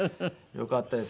よかったです。